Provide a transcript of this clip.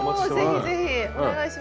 おぜひぜひお願いします。